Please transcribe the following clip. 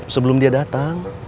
sebelum dia datang